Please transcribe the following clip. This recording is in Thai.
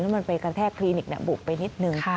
แล้วมันไปกระแทกคลินิกบุกไปนิดนึง